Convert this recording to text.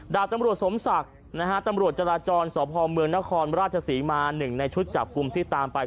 ดาบตำรวจสมศักดิ์นะฮะตำรวจจราจรสพเมืองนครราชศรีมา๑ในชุดจับกลุ่มที่ตามไป